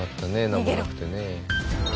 なんもなくてね。